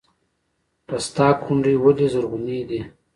رستاق غونډۍ ولې زرغونې دي؟